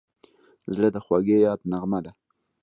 زړه د خوږې یاد نغمه ده.